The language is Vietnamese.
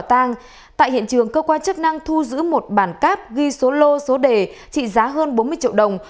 tại hiện trường cơ quan chức năng thu giữ một bản cáp ghi số lô số đề trị giá hơn bốn mươi triệu đồng